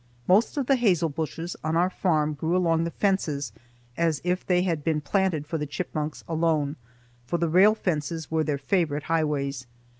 Most of the hazel bushes on our farm grew along the fences as if they had been planted for the chipmunks alone, for the rail fences were their favorite highways.